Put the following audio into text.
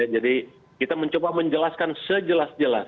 jadi kita mencoba menjelaskan sejelas jelas